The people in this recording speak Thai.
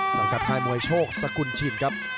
สังกัดค่ายมวยโชคสกุลชินครับ